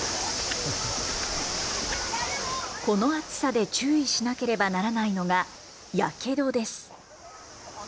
この暑さで注意しなければならないのがやけどです。